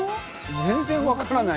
全然わからない。